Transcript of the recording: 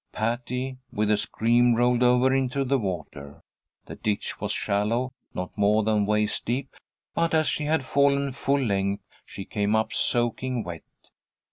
Patty, with a scream, rolled over into the water. The ditch was shallow, not more than waist deep, but as she had fallen full length, she came up soaking wet.